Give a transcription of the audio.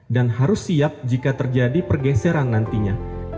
dan harus siap jika terjadi pergeseran nantinya